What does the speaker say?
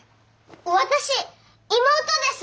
私妹です！